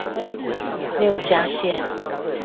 六家線